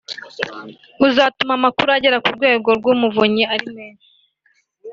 buzatuma amakuru agera ku Rwego rw’Umuvunyi ari menshi